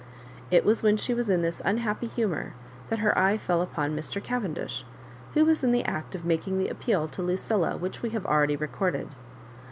It was when she was in this unhappy humour that her eye fell upon Mr. Cay^dish, who was in the act of making the appeal to LuciUa which we have already recorded.